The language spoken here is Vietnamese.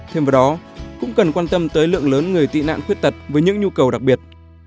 thêm vào đó cũng cần quan tâm tới lượng lớn người tị nạn khuyết tật với những nhu cầu đặc biệt